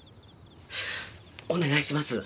お願いします